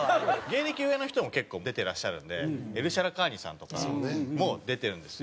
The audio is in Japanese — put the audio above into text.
芸歴上の人も結構出てらっしゃるんでエルシャラカーニさんとかも出てるんですよ。